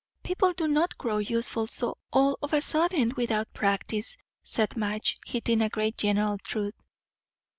People do not grow useful so all of a sudden, without practice," said Madge, hitting a great general truth.